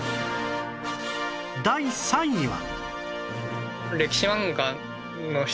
第３位は